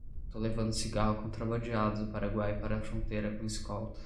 Tô levando cigarro contrabandeado do Paraguai para a fronteira com escolta